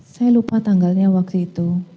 saya lupa tanggalnya waktu itu